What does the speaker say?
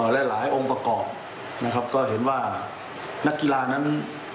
หลายองค์ประกอบนะครับก็เห็นว่านักกีฬานั้น